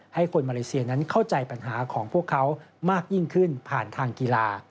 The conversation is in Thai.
ให้คนมาเลเซียนั้นเข้าใจปัญหาของพวกเขามากยิ่งขึ้นผ่านทางกีฬา